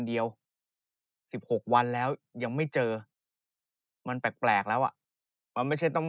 เดียว๑๖วันแล้วยังไม่เจอมันแปลกแล้วอ่ะมันไม่ใช่ต้อง